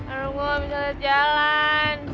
aduh gue gak bisa liat jalan